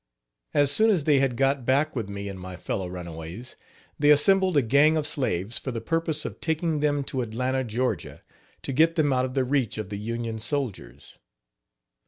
As soon as they had got back with me and my fellow runaways, they assembled a gang of slaves for the purpose of taking them to Atlanta, Ga., to get them out of the reach of the Union soldiers.